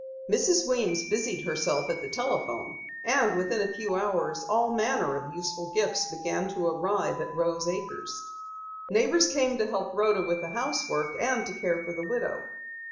Mrs. Weems busied herself at the telephone, and within a few hours, all manner of useful gifts began to arrive at Rose Acres. Neighbors came to help Rhoda with the housework and to care for the widow.